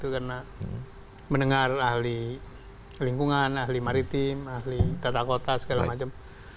karena mendengar ahli lingkungan ahli maritim ahli tata kota segala macam